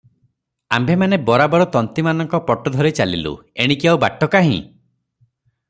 ଆମ୍ଭେମାନେ ବରାବର ତନ୍ତୀମାନଙ୍କ ପଟ ଧରି ଚାଲିଲୁ, ଏଣିକି ଆଉ ବାଟ କାହିଁ?